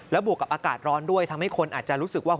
บวกกับอากาศร้อนด้วยทำให้คนอาจจะรู้สึกว่า